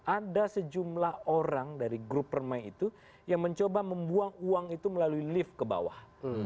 ada sejumlah orang dari grup permai itu yang mencoba membuang uang itu melalui lift ke bawah